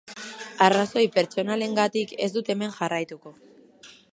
Arrazoi pertsonalengatik ez dut hemen jarraituko.